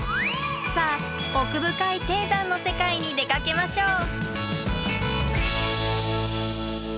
さあ奥深い低山の世界に出かけましょう！